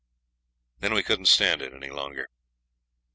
Then we couldn't stand it any longer.